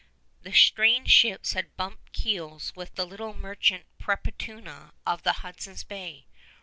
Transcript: The strange ships had bumped keels with the little Merchant Perpetuana of the Hudson's Bay.